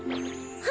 は